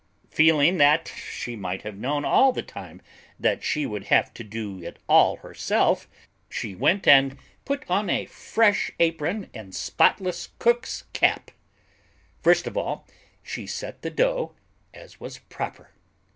Feeling that she might have known all the time that she would have to do it all herself, she went and put on a fresh apron and spotless cook's cap. First of all she set the dough, as was proper.